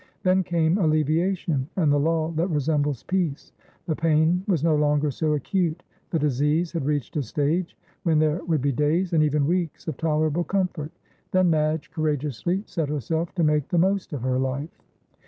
Then came alleviation and the lull that resembles peace; the pain was no longer so acute; the disease had reached a stage when there would be days and even weeks of tolerable comfort; then Madge courageously set herself to make the most of her life.